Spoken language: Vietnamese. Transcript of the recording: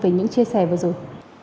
về những chia sẻ vừa rồi